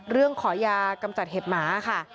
เรื่องขอยากำจัดเห็ดหมาค่ะ